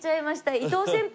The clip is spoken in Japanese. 伊藤先輩。